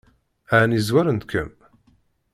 Ɛni zwarent-kem?